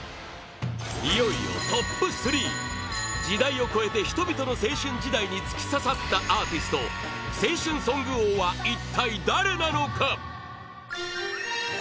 いよいよトップ３時代を超えて人々の青春時代に突き刺さったアーティスト青春ソング王は一体誰なのか？